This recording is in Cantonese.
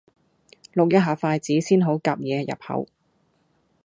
淥一下筷子先好夾野入口